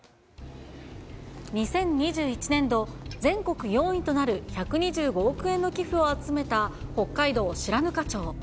２０２１年度、全国４位となる１２５億円の寄付を集めた北海道白糠町。